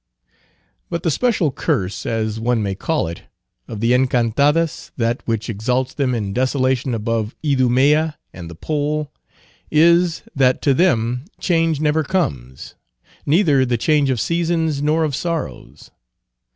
But the special curse, as one may call it, of the Encantadas, that which exalts them in desolation above Idumea and the Pole, is, that to them change never comes; neither the change of seasons nor of sorrows.